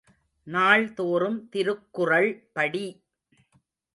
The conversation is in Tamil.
நாள் தோறும் திருக்குறள் படி!